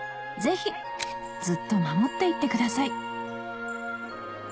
ぜひずっと守っていってください